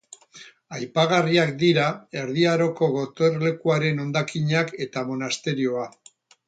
Aipagarriak dira Erdi Aroko gotorlekuaren hondakinak eta monasterioa.